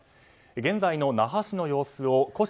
現在の那覇市の様子を後間